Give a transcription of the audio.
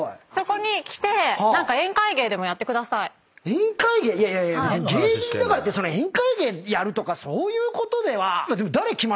宴会芸別に芸人だからって宴会芸やるとかそういうことでは。